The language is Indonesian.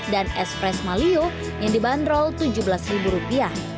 dan es fresh maliyo yang dibanderol rp tujuh belas